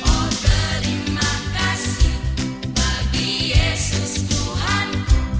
oh terima kasih bagi yesus tuhan